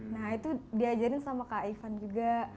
nah itu diajarin sama kak ivan juga